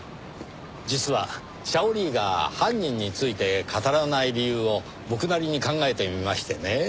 実はシャオリーが犯人について語らない理由を僕なりに考えてみましてねぇ。